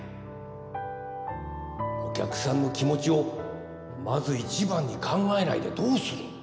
お客さんの気持ちをまず一番に考えないでどうする。